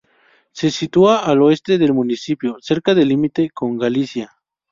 Se sitúa al oeste del municipio, cerca del límite con Galicia.